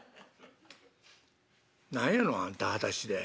何やのあんたはだしで。